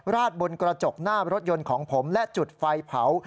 บนกระจกหน้ารถยนต์ของผมและจุดไฟเผา